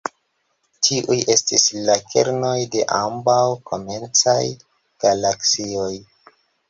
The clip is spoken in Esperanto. Tiuj estis la kernoj de ambaŭ komencaj galaksioj.